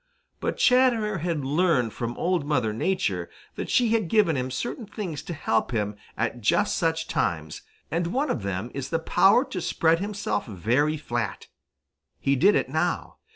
But Chatterer had learned from Old Mother Nature that she had given him certain things to help him at just such times, and one of them is the power to spread himself very flat. He did it now.